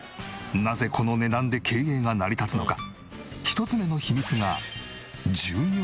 なぜこの値段で経営が成り立つのか１つ目の秘密が。